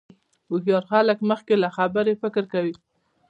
هوښیار خلک مخکې له خبرې فکر کوي.